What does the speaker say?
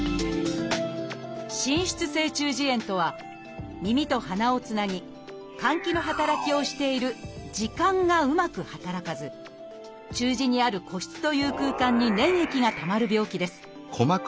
「滲出性中耳炎」とは耳と鼻をつなぎ換気の働きをしている「耳管」がうまく働かず中耳にある「鼓室」という空間に粘液がたまる病気です。